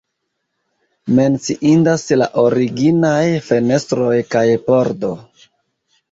Menciindas la originaj fenestroj kaj pordo.